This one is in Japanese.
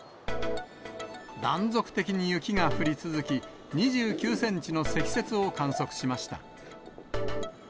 断続的に雪が降り続き、２９センチの積雪を観測しました。